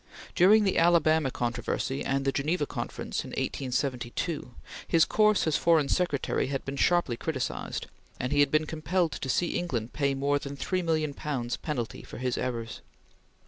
During the Alabama controversy and the Geneva Conference in 1872, his course as Foreign Secretary had been sharply criticised, and he had been compelled to see England pay more than L3,000,000 penalty for his errors.